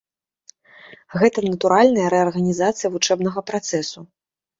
Гэта натуральная рэарганізацыя вучэбнага працэсу.